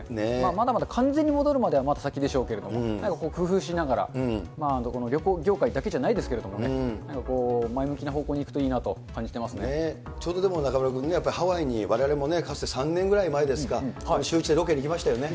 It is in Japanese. まだまだ完全に戻るまではまだ先でしょうけれども、なんか工夫しながら、旅行業界だけじゃないですけどね、前向きな方向に行くとちょうどでも中丸君ね、ハワイにわれわれもね、かつて３年ぐらい前ですか、シューイチでロケに行きましたよね。